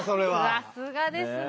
さすがですね。